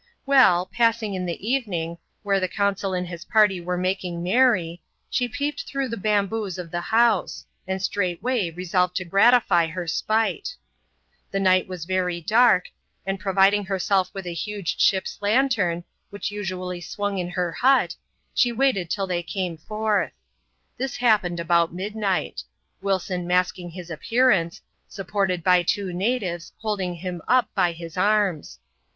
. Well, passing in the evening, where the consul and his party were making merry, she peeped through the bamboos of the hopse; and straightway resolved to gratify her spite. . The night was very dark, and providing herself with a huge ddp's lantern, .which usually swung in her hut, she waited till iktfj came forth. This happened about midnight; Wilson ipffring his appearance, supported by two natives, holding him Up by the arms.